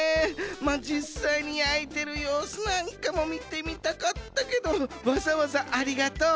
まあじっさいにやいてるようすなんかもみてみたかったけどわざわざありがとう。